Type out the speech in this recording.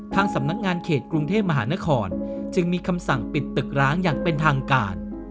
สำนักงานเขตกรุงเทพมหานครจึงมีคำสั่งปิดตึกร้างอย่างเป็นทางการ